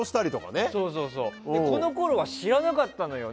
このころは知らなかったのよ。